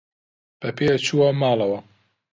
بە پێ چووە ماڵەوە.